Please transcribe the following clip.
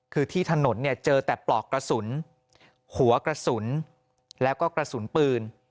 คือที่ถนนเนี่ยเจอแต่ปลอกกระสุนหัวกระสุนแล้วก็กระสุนปืน